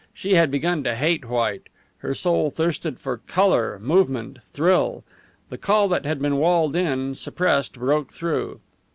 She had begun to hate white; her soul thirsted for colour, movement, thrill. The call that had been walled in, suppressed, broke through.